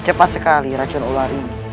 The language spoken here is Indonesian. cepat sekali racun ular ini